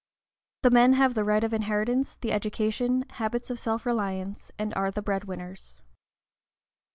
The men have the right of inheritance, the education, habits of self reliance, and are the bread winners.